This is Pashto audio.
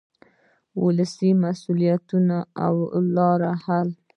ولسي مسؤلیتونه او حل لارې.